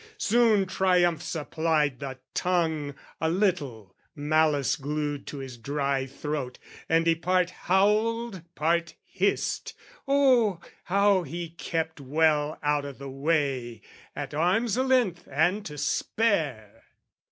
Soon triumph suppled the tongue A little, malice glued to his dry throat, And he part howled, part hissed...oh, how he kept Well out o' the way, at arm's length and to spare!